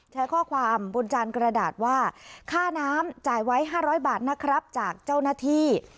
แชร์ข้อความบนจานกระดาษว่าค่าน้ำจ่ายไว้๕๐๐บาทนะครับจากเจ้าหน้าที่